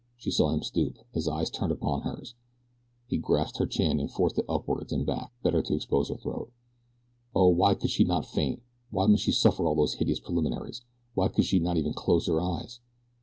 She saw him stoop, his eyes turned down upon hers. He grasped her chin and forced it upward and back, the better to expose her throat. Oh, why could she not faint? Why must she suffer all these hideous preliminaries? Why could she not even close her eyes?